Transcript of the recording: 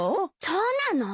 そうなの？